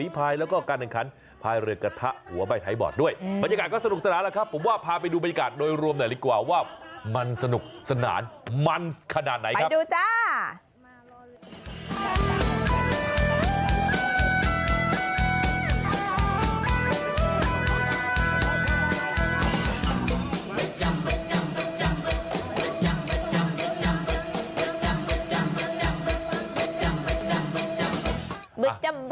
ผ่าหัวใบไทยบอร์ดด้วยบรรยากาศก็สนุกสนานแล้วครับผมว่าพาไปดูบรรยากาศโดยรวมหน่อยกว่าว่ามันสนุกสนานมันขนาดไหนครับไปดูจ้า